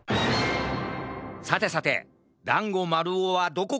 さてさてだんごまるおはどこかな？